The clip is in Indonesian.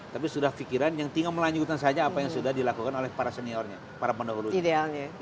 tapi sudah pikiran yang tinggal melanjutkan saja apa yang sudah dilakukan oleh para seniornya para penerusnya